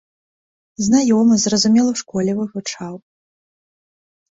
Знаёмы, зразумела, у школе вывучаў.